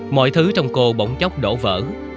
mọi thứ trong cô bỗng chốc đổ vỡ